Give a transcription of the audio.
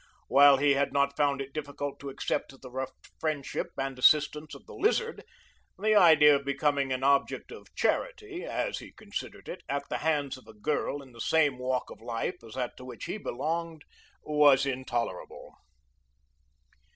While he had not found it difficult to accept the rough friendship and assistance of the Lizard, the idea of becoming an object of "charity," as he considered it, at the hands of a girl in the same walk of life as that to which he belonged was intolerable.